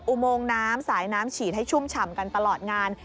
อุโมงน้ำสายน้ำฉีดให้ชุ่มฉ่ำกันตลอดงาน